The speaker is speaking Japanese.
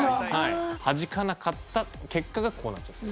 弾かなかった結果がこうなっちゃった。